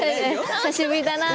久しぶりだなと。